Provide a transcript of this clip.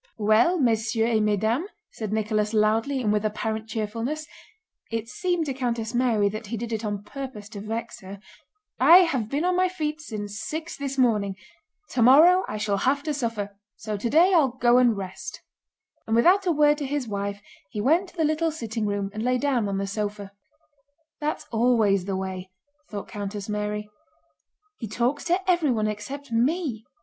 "Well, messieurs et mesdames," said Nicholas loudly and with apparent cheerfulness (it seemed to Countess Mary that he did it on purpose to vex her), "I have been on my feet since six this morning. Tomorrow I shall have to suffer, so today I'll go and rest." And without a word to his wife he went to the little sitting room and lay down on the sofa. "That's always the way," thought Countess Mary. "He talks to everyone except me. I see...